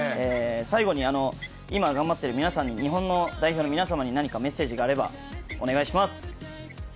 最後に今、頑張ってる日本の代表の皆様に何かメッセージがあればお願いします。